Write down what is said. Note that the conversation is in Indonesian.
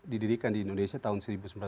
didirikan di indonesia tahun